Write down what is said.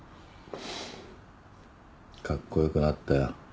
カッコ良くなったよ